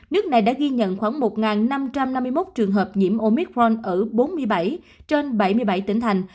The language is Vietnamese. nước này đã ghi nhận khoảng một năm trăm năm mươi một trường hợp nhiễm omicron ở bốn mươi bảy trên bảy mươi bảy tỉnh thành